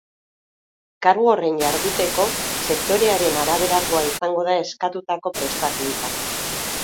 Kargu horren jarduteko, sektorearen araberakoa izango da eskatutako prestakuntza.